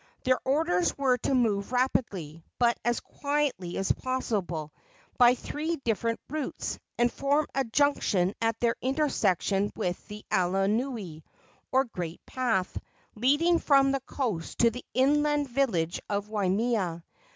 Their orders were to move rapidly, but as quietly as possible, by three different routes, and form a junction at their intersection with the alanui, or great path, leading from the coast to the inland village of Waimea.